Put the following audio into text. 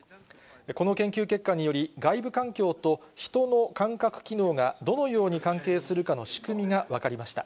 この研究結果により、外部環境とヒトの感覚機能がどのように関係するかの仕組みが分かりました。